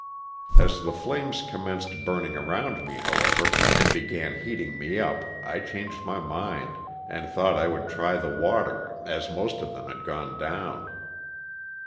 As the flames commenced bursting around me, how ever, and began heating me up I changed my mind, and thought I would try the water as most of them had gone down.